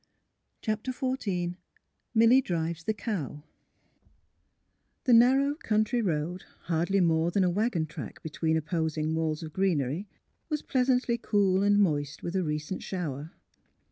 CHAPTER XIV MILLY DRIVES THE CX)W The narrow country road, hardly more than a wagon track between opposing walls of greenery, was pleasantly cool and moist with a recent shower.